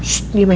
shhh diem ya